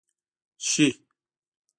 شي،